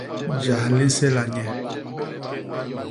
Jas li nsela nye.